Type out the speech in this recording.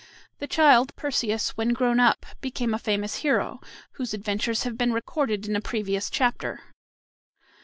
The child, Perseus, when grown up became a famous hero, whose adventures have been recorded in a previous chapter.